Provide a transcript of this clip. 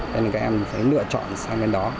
nên các em sẽ lựa chọn sang bên đó